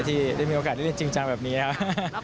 ที่ได้มีโอกาสได้จริงจังแบบนี้ครับ